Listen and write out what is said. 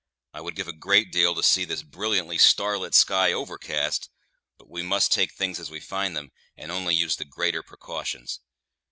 I would give a great deal to see this brilliantly starlit sky overcast, but we must take things as we find them, and only use the greater precautions.